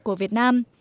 của việt nam